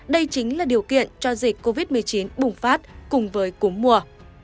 đây chính là điều kiện cho dịch covid một mươi chín bùng phát cùng với cúm mùa